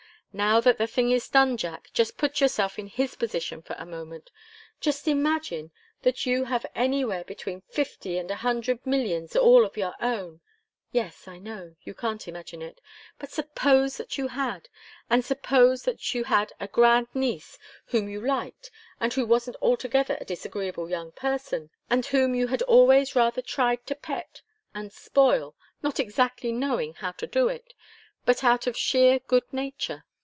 "Now that the thing is done, Jack, just put yourself in his position for a moment. Just imagine that you have anywhere between fifty and a hundred millions, all of your own. Yes I know. You can't imagine it. But suppose that you had. And suppose that you had a grand niece, whom you liked, and who wasn't altogether a disagreeable young person, and whom you had always rather tried to pet and spoil not exactly knowing how to do it, but out of sheer good nature.